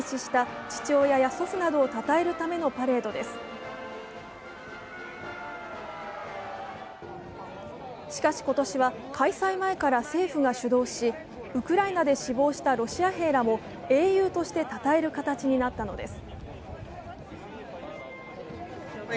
しかし、今年は開催前から政府が主導し、ウクライナで死亡したロシア兵らも英雄としてたたえる形になったのです。